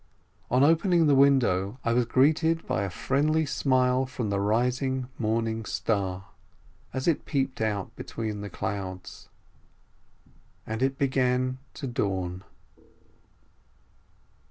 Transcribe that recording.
On opening the window, I was greeted by a friendly smile from the rising morning star, as it peeped out between the clouds. And it began to dawn.